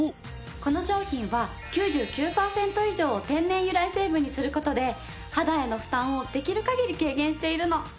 この商品は９９パーセント以上を天然由来成分にする事で肌への負担をできる限り軽減しているの。